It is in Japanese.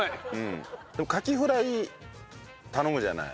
でもカキフライ頼むじゃない。